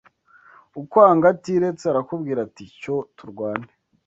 Ukwanga atiretse arakubwira ati: cyo turwane